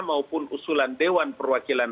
maupun usulan dewan perwakilan